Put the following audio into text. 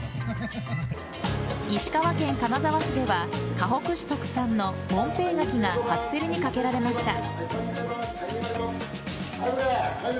石川県金沢市ではかほく市特産のモンペイガキが初競りにかけられました。